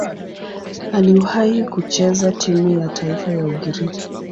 Aliwahi kucheza timu ya taifa ya Ugiriki.